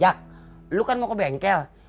ya lu kan mau ke bengkel